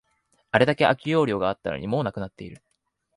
あれだけ空き容量があったのに、もうなくなっている